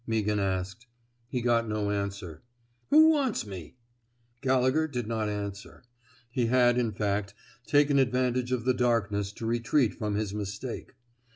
" Meaghan asked. He got no answer. Who wants me? " Gallegher did not answer. He had, in fact, taken advantage of the darkness to retreat from his mistake.